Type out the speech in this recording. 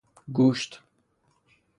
گوشت